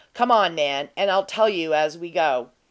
Come on, man, and I'll tell you as we go."